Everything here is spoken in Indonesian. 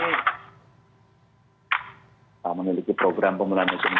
kita memiliki program pemulahan musim